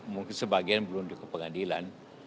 mungkin sebagian belum dikepengadilan